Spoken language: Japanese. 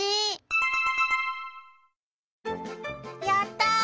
やった！